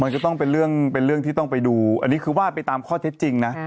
มันก็ต้องเป็นเรื่องเป็นเรื่องที่ต้องไปดูอันนี้คือว่าไปตามข้อเท็จจริงนะ